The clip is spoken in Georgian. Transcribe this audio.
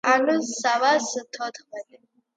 ანუ სამას თოთხმეტი.